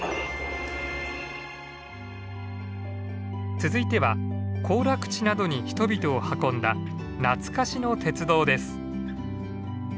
続いては行楽地などに人々を運んだ懐かしの鉄道です。